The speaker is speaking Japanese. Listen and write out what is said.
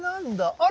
あれ？